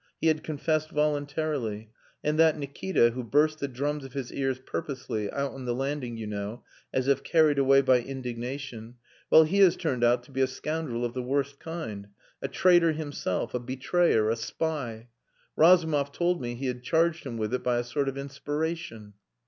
He had confessed voluntarily. And that Nikita who burst the drums of his ears purposely, out on the landing, you know, as if carried away by indignation well, he has turned out to be a scoundrel of the worst kind a traitor himself, a betrayer a spy! Razumov told me he had charged him with it by a sort of inspiration...."